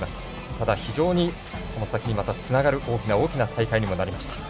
ただ非常にこの先にまたつながる大きな大きな大会にもなりました。